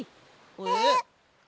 えっ？